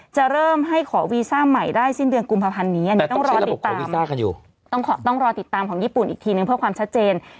จะเริ่มให้ขอวีซ่าใหม่ได้สิ้นเดือนกุมภัณฑ์นี้ต้องรอติดตามของญี่ปุ่นอีกทีนึงเพื่อความชัดเจน